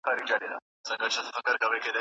حضوري زده کړه به د ښوونکي مستقيم ملاتړ وړاندې کړي.